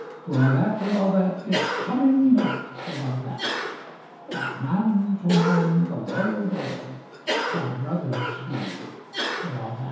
For a' that and a' that, It's coming yet, for a' that, That man to man the warld o'er Shall brothers be for a' that.